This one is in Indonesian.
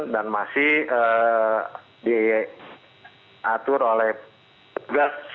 dan masih diatur oleh tugas satlak